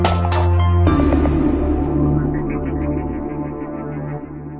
จิทธาเมริกา